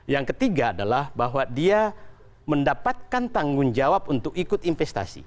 yang ketiga adalah bahwa dia mendapatkan tanggung jawab untuk ikut investasi